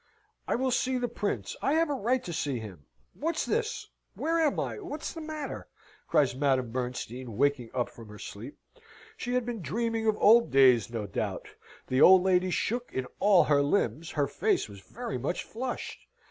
"I will see the Prince. I have a right to see him. What's this? Where am I? What's the matter?" cries Madame Bernstein, waking up from her sleep. She had been dreaming of old days, no doubt. The old lady shook in all her limbs her face was very much flushed.